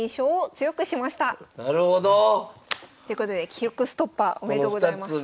なるほど！ということで記録ストッパーおめでとうございます。